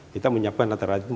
kita menyiapkan atau menyiapkan